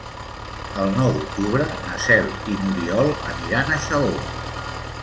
El nou d'octubre na Cel i n'Oriol aniran a Xaló.